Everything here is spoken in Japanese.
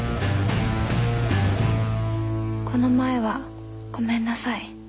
「この前はごめんなさい。